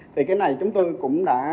thì cái này chúng tôi cũng đã